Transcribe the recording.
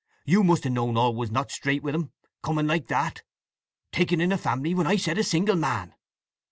You must have known all was not straight with 'em—coming like that. Taking in a family when I said a single man."